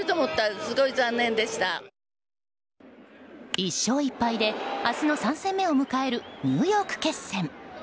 １勝１敗で明日の３戦目を迎えるニューヨーク決戦。